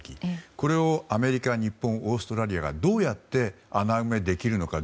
これをアメリカ、日本オーストラリアがどうやって穴埋めできるのか。